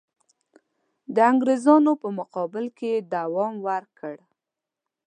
د انګرېزانو په مقابل کې یې دوام ورکړ.